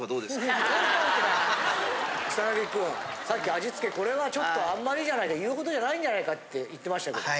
草薙君さっき味つけこれはちょっとあんまりじゃないか言うことじゃないんじゃないかって言ってましたけど。